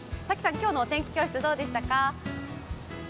今日のお天気教室、どうでしたか？